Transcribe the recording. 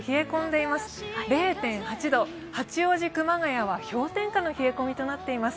八王子、熊谷は氷点下の冷え込みとなっています。